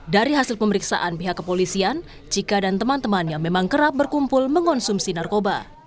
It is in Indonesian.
dari hasil pemeriksaan pihak kepolisian cika dan teman temannya memang kerap berkumpul mengonsumsi narkoba